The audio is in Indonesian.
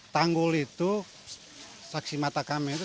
tanggul itu saksi mata kami itu